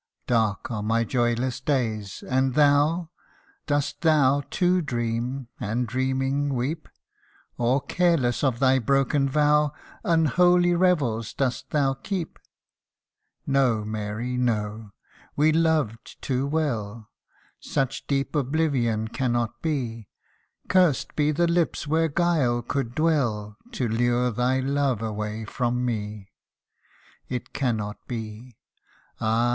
Dark are my joyless days and thou Dost thou too dream, and dreaming weep ? Or, careless of thy broken vow, Unholy revels dost thou keep ? No, Mary, no, we loved too well, Such deep oblivion cannot be ; Cursed be the lips, where guile could dwell, To lure thy love away from me ! 248 MARY. It cannot be ! ah